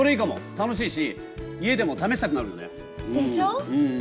楽しいし家でも試したくなるよね！でしょう？